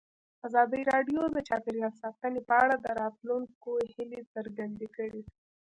ازادي راډیو د چاپیریال ساتنه په اړه د راتلونکي هیلې څرګندې کړې.